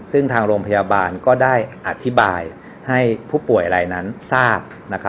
ซึ่งทางโรงพยาบาลก็ได้อธิบายให้ผู้ป่วยอะไรนั้นทราบ